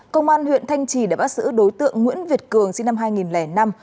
công an huyện thanh trì đã bác sử đối tượng nguyễn việt cường sinh năm hai nghìn năm